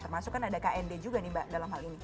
termasuk kan ada knd juga nih mbak dalam hal ini